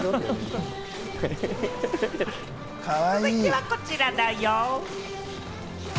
続いてはこちらだよ。